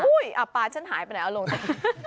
อู้ยอะปลาชั้นหายไปไหนเอาลงมา